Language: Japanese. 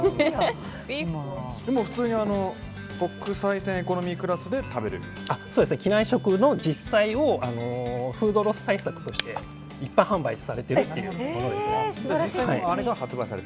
普通に国際線エコノミークラスで機内食の実際のものをフードロス対策として一般販売されているものです。